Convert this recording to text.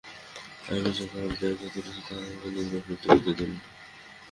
আমি যে-পাপ জাগাইয়া তুলিয়াছি, তাহা আমাকে নির্বাসনেও টিকিতে দিল না।